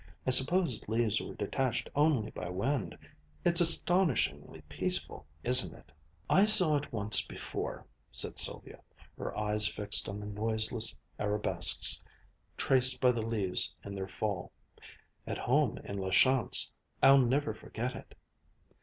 "I supposed leaves were detached only by wind. It's astonishingly peaceful, isn't it?" "I saw it once before," said Sylvia, her eyes fixed on the noiseless arabesques traced by the leaves in their fall "at home in La Chance. I'll never forget it."